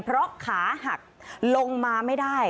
เพราะขาหักลงมาไม่ได้